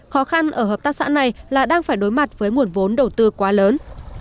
khó khăn ở hợp tác xã này là đang phải đối mặt với nguồn vốn đầu tư quá lớn